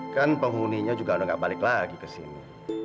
kan penghuninya juga udah nggak balik lagi ke sini